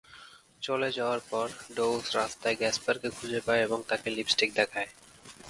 চলে যাওয়ার পর, ডউস রাস্তায় গ্যাসপারকে খুঁজে পায় এবং তাকে লিপস্টিক দেখায়।